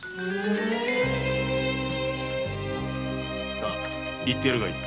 さ行ってやるがいい。